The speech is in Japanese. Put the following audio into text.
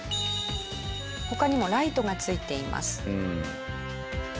他にもライトが付いています。